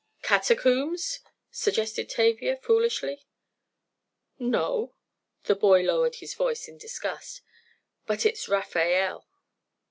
"Catacombs?" suggested Tavia, foolishly. "No," the lad lowered his voice in disgust. "But it's Raphael."